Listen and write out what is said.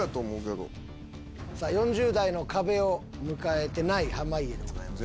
４０代の壁を迎えてない濱家でございます。